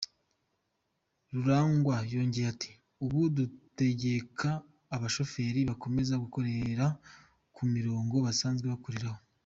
Rurangwa yongeye ati : “Ubu dutegeka abashoferi gukomeza gukorera ku mirongo basanzwe bakoreraho.